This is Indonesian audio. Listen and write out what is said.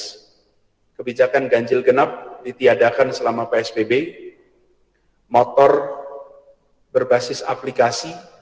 kemudian ada juga kebijakan ganjil genap ditiadakan selama psbb motor berbasis aplikasi